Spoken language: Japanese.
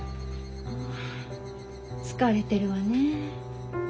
ん疲れてるわね。